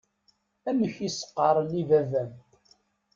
Amek i s-qqaṛen i baba-m?